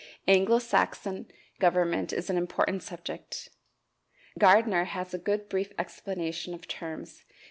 Anglo Saxon government is an important subject. Gardiner has a good brief explanation of terms, pp.